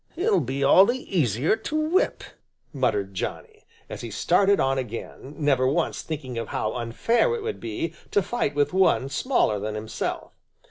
"He'll be all the easier to whip," muttered Johnny, as he started on again, never once thinking of how unfair it would be to fight with one smaller than himself.